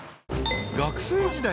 ［学生時代